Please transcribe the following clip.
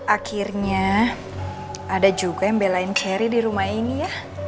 akhirnya ada juga yang belain cherry di rumah ini ya